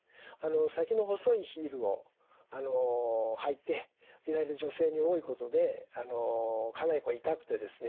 先の細いヒールを履いていられる女性に多いことでかなり痛くてですね